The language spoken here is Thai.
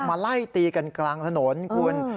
มาไล่ตีกันกลางถนนคุณ